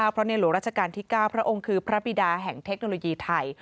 เพราะในหลวงราชการที่๙พระองค์คือพระบิดาแห่งเทคโนโลยีไทย